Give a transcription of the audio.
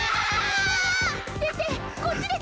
先生こっちです！